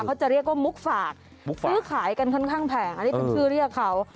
เขาจะเรียกว่ามุกฝากซื้อขายกันค่อนข้างแพงอันนี้เป็นชื่อเรียกเขา